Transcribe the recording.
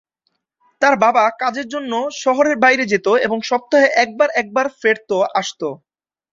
তার বাবা কাজের জন্য শহরের বাইরে যেত এবং সপ্তাহে একবার একবার ফেরত আসতো।